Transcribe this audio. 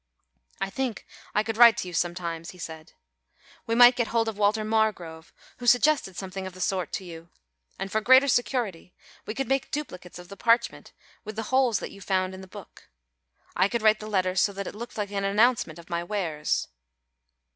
"I think I could write to you sometimes," he said. "We might get hold of Walter Margrove, who suggested something of the sort to you, and for greater security we could make duplicates of the parchment with the holes that you found in the book. I could write the letter so that it looked like an announcement of my wares."